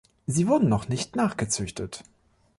Sie wurden noch nicht nachgezüchtet.